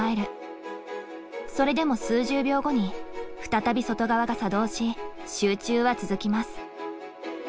それでも数十秒後に再び外側が作動し集中は続きます。